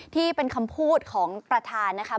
ที่เป็นคำพูดของประธานนะครับ